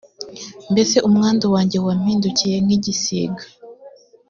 mbese umwandu wanjye wampindukiye nk’igisiga